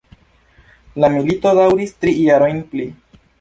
La milito daŭris tri jarojn pli.